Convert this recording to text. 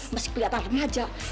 masih keliatan remaja